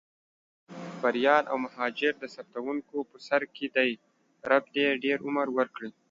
بریال او مهاجر د ثبتوونکو په سر کې دي، رب دې ډېر عمر ورکړي.